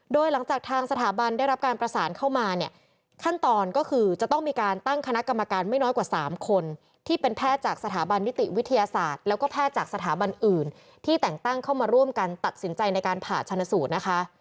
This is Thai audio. โดยหลังจากทางสถาบันได้รับการประสานเข้ามาเนี่ยขั้นตอนก็คือจะต้องมีการตั้งคณะกรรมการไม่น้อยกว่า๓คนที่เป็นแพทย์จากสถาบันนิติวิทยาศาสตร์แล้วก็แพทย์จากสถาบันอื่นที่แต่งตั้งเข้ามาร่วมกันตัดสินใจในการผ่าชนสูตรนะคะ